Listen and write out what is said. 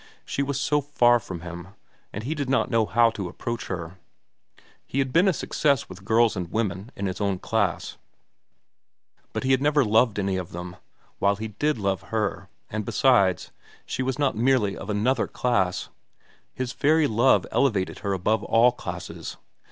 She was so far from him, and he did not know how to approach her. He had been a success with girls and women in his own class; but he had never loved any of them, while he did love her, and besides, she was not merely of another class. His very love elevated her above all classes.